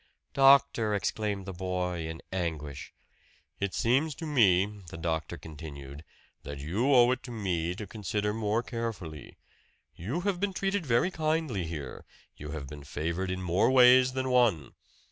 "Doctor!" exclaimed the boy in anguish. "It seems to me," the doctor continued, "that you owe it to me to consider more carefully. You have been treated very kindly here you have been favored in more ways than one."